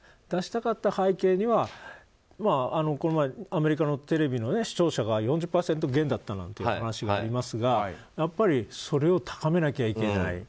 出したかった背景にはこの前、アメリカのテレビの視聴者が４０％減だったなんて話もありましたがそれを高めなきゃいけない。